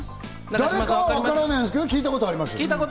誰かはわからないんですけど、聞いたことあります。